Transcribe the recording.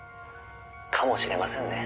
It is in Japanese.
「かもしれませんね」